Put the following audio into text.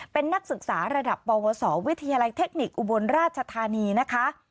เป็นนักศึกษาระดับปวสวิทยาลัยเทคนิคอุบลราชธานีนะคะ